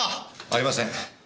ありません。